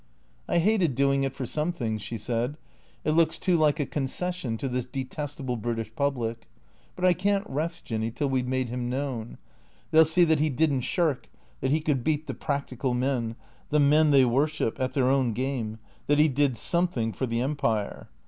" I hated doing it for some things," she said. " It looks too like a concession to this detestable British public. But I can't rest. Jinny, till we 've made him known. They '11 see that he did n't shirk, that he could beat the practical men — the men they worship — at their own game, that he did something for the Empire.